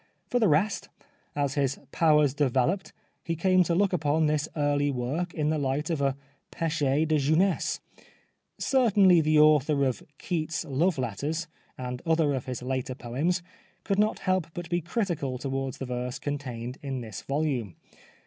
For the rest, as his powers developed he came to look upon this early work in the light of a pech^ de jeunesse. Certainly the author of " Keats' Love letters " and other of his later poems could not help but be critical towards the verse contained in this volume.